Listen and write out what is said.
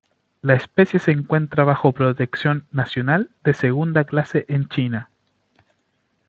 La especie se encuentra bajo protección nacional de segunda clase en China.